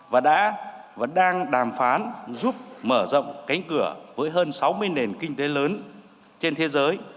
và đã và đang đàm phán giúp mở rộng cánh cửa với hơn sáu mươi nền kinh tế lớn trên thế giới